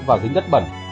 và dính đất bẩn